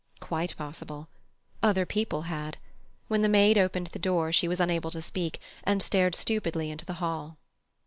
Quite possible. Other people had. When the maid opened the door, she was unable to speak, and stared stupidly into the hall.